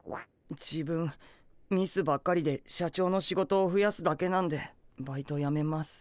自分ミスばっかりで社長の仕事をふやすだけなんでバイトやめます。